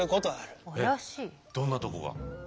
どんなとこが？